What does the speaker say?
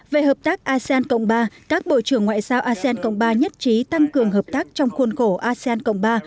về hợp tác asean cộng ba các bộ trưởng ngoại giao asean cộng ba nhất trí tăng cường hợp tác trong khuôn khổ asean cộng ba